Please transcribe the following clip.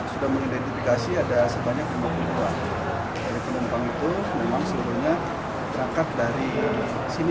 sudah mengidentifikasi ada sebanyak lima puluh dua dari penumpang itu memang seluruhnya berangkat dari sini